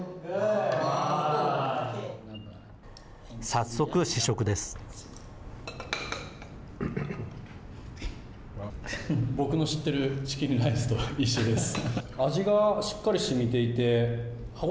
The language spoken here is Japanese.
早速、試食です。